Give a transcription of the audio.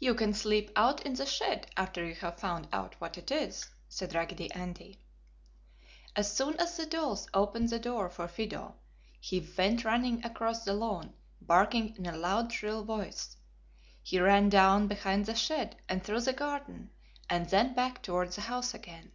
"You can sleep out in the shed after you have found out what it is," said Raggedy Andy. As soon as the dolls opened the door for Fido, he went running across the lawn, barking in a loud shrill voice. He ran down behind the shed and through the garden, and then back towards the house again.